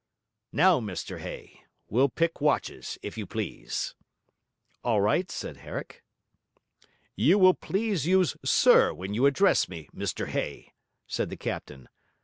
Now, Mr Hay, we'll pick watches, if you please.' 'All right,' said Herrick. 'You will please use "sir" when you address me, Mr Hay,' said the captain.